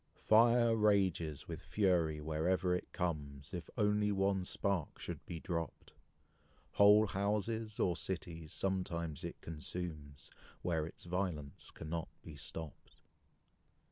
Fire rages with fury wherever it comes, If only one spark should be dropped; Whole houses, or cities, sometimes it consumes, Where its violence cannot be stopped.